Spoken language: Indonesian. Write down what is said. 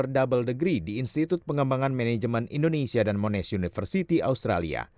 double degree di institut pengembangan manajemen indonesia dan monesh university australia